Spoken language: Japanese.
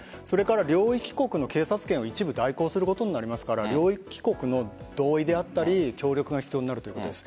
両国の警察権を一部代行することになりますから両国の同意であったり協力が必要になるということです。